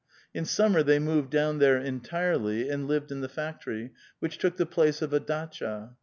In summer they moved down there entirely, and lived in the factory, which took the place of a datclia.